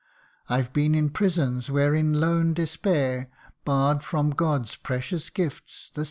I 've been in prisons, where in lone despair, Barr'd from God's precious gifts, the.